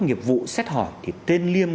nghiệp vụ xét hỏi thì tên liêm